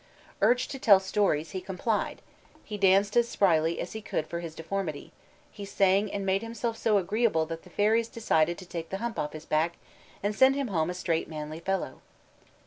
Urged to tell stories, he complied; he danced as spryly as he could for his deformity; he sang, and made himself so agreeable that the fairies decided to take the hump off his back, and send him home a straight manly fellow.